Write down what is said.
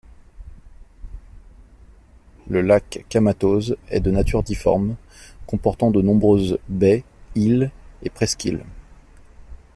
Le lac Camatose est de nature difforme, comportant de nombreuses baies, îles et presqu'îles.